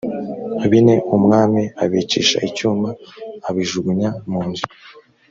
bine umwami abicisha icyuma abijugunya munzu